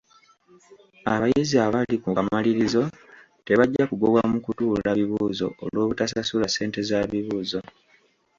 Abayizi abali ku kamalirizo tebajja kugobwa mu kutuula bibuuzo olw'obutasasula ssente za bibuuzo.